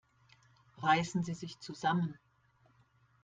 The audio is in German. Reißen Sie sich zusammen!